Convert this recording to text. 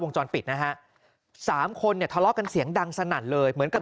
จรปิดนะฮะสามคนเนี่ยทะเลาะกันเสียงดังสนั่นเลยเหมือนกับ